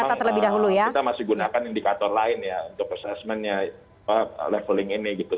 nah sementara ini memang kita masih gunakan indikator lain ya untuk assessmentnya leveling ini gitu